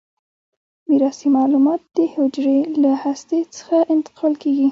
میراثي معلومات د حجره له هسته څخه انتقال کیږي.